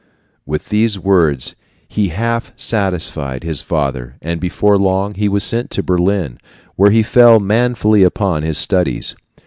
With these words he half satisfied his father, and before long he was sent to Berlin, where he fell manfully upon his studies.